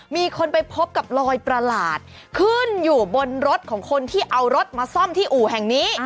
มีคนไปพบกับลอยประหลาดขึ้นอยู่บนรถของคนที่เอารถมาซ่อมที่อู่แห่งนี้